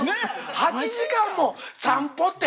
８時間も散歩って！